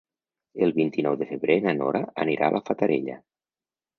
El vint-i-nou de febrer na Nora anirà a la Fatarella.